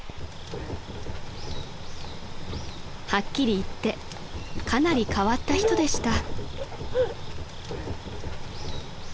［はっきり言ってかなり変わった人でした］